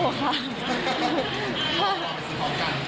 หัวใจค่ะ